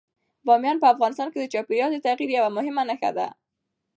بامیان په افغانستان کې د چاپېریال د تغیر یوه مهمه نښه ده.